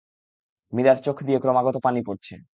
মীরার চোখ দিয়ে ক্রমাগত পানি পড়ছে।